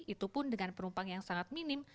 itupun dengan penumpang yang sangat minim